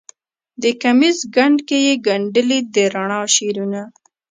د کمیس ګنډ کې یې ګنډلې د رڼا شعرونه